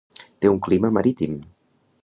Té un clima marítim.